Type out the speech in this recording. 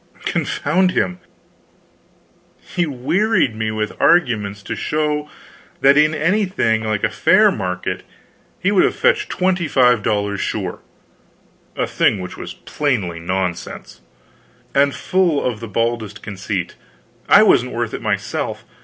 Confound him, he wearied me with arguments to show that in anything like a fair market he would have fetched twenty five dollars, sure a thing which was plainly nonsense, and full or the baldest conceit; I wasn't worth it myself.